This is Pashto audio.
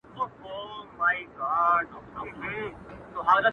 د تورو شپو پر تك تور تخت باندي مــــــا-